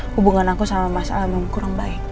hubungan aku sama mas al memang kurang baik